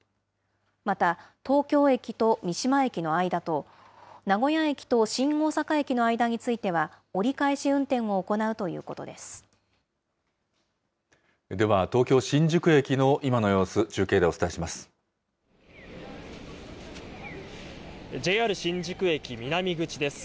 また、東京駅と三島駅の間と、名古屋駅と新大阪駅の間については、折り返し運転を行うというこでは、東京・新宿駅の今の様子、中継でお伝えします。